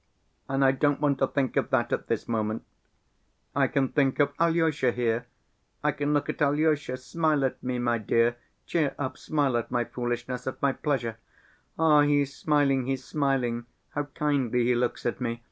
And I don't want to think of that at this moment. I can think of Alyosha here, I can look at Alyosha ... smile at me, dear, cheer up, smile at my foolishness, at my pleasure.... Ah, he's smiling, he's smiling! How kindly he looks at me!